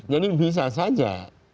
jadi bisa saja